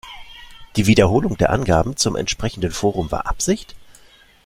Die Wiederholung der Angaben zum entsprechenden Forum war Absicht?